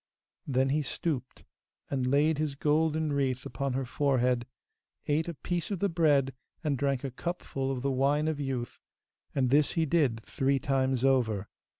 Then he stooped and laid his golden wreath upon her forehead, ate a piece of the bread and drank a cupful of the wine of youth, and this he did three times over.